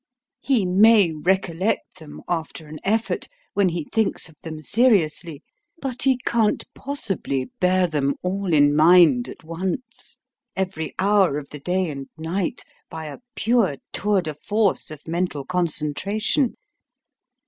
He may recollect them after an effort when he thinks of them seriously; but he can't possibly bear them all in mind at once every hour of the day and night by a pure tour de force of mental concentration.